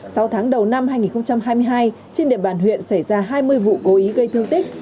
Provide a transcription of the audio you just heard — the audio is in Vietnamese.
sau tháng đầu năm hai nghìn hai mươi hai trên địa bàn huyện xảy ra hai mươi vụ cố ý gây thương tích